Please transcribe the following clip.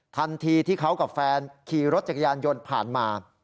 ทันทีที่เขากับแฟนขี่รถจักรยานยนต์ผ่านมา